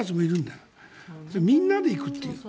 で、みんなで行くという。